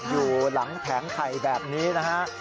อยู่หลังแผงไข่แบบนี้นะฮะ